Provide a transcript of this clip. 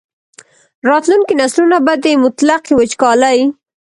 راتلونکي نسلونه به د مطلقې وچکالۍ.